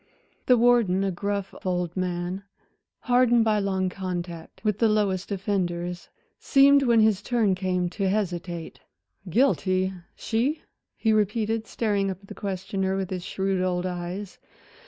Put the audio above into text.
The warden a gruff old man, hardened by long contact with the lowest offenders seemed when his turn came to hesitate. "Guilty, she?" he repeated, staring up at the questioner with his shrewd old eyes.